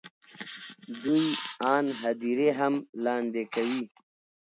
دوی آن هدیرې هم لاندې کوي.